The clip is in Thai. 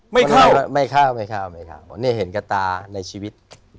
ไม่เข้าแล้วไม่เข้าไม่เข้าไม่เข้าเนี่ยเห็นกระตาในชีวิต